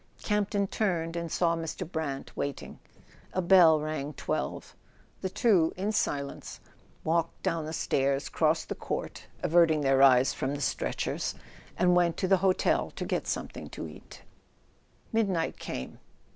Campton turned and saw Mr. Brant waiting. A bell rang twelve. The two, in silence, walked down the stairs, crossed the court (averting their eyes from the stretchers) and went to the hotel to get something to eat. Midnight came.